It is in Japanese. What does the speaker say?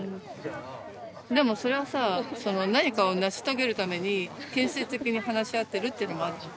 でもそれはさその何かを成し遂げるために建設的に話し合ってるっていうのもあるじゃん。